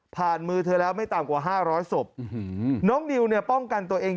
มือเธอแล้วไม่ต่ำกว่าห้าร้อยศพน้องนิวเนี่ยป้องกันตัวเอง